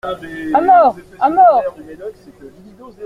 Á mort ! à mort !